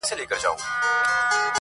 بار به سپک سي او هوسا سفر به وکړې!.